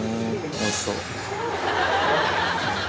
おいしそう。